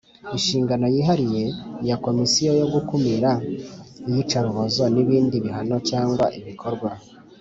Inshingano yihariye ya Komisiyo yo gukumira iyicarubozo n ibindi bihano cyangwa ibikorwa